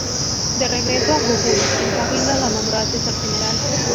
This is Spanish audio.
De regreso a Jujuy, el Cabildo lo nombró Asesor General.